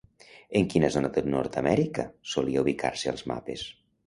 En quina zona de Nordamèrica solia ubicar-se als mapes?